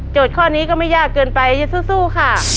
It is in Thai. โจทย์ข้อนี้ก็ไม่ยากเกินไปยังสู้ค่ะ